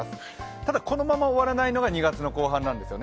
ただこのまま終わらないのが２月の後半なんですよね。